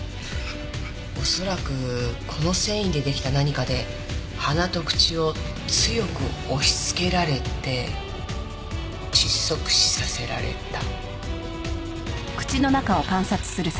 恐らくこの繊維で出来た何かで鼻と口を強く押しつけられて窒息死させられた。